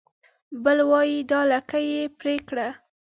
بل وای دا لکۍ يې پرې کړه